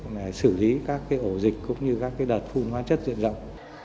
để xử lý các cái ổ dịch cũng như các cái đợt phun hoa chất diện rộng